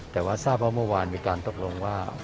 แต่ว่าทราบว่าเมื่อวานมีการตกลงว่า